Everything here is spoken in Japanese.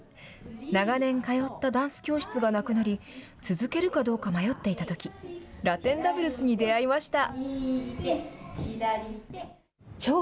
長年通ったダンス教室がなくなり続けるかどうか迷っていたときラテンダブルスに出会いました。